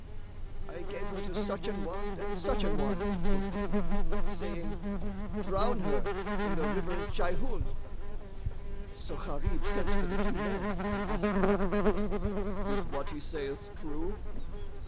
"I gave her to such an one and such an one," quoth the King, "saying,:—Drown her in the river Jayhún." So Gharib sent for the two men and asked them, "Is what he saith true?"